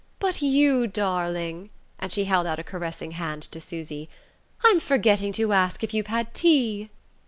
"But, you darling," and she held out a caressing hand to Susy, "I'm forgetting to ask if you've had tea?"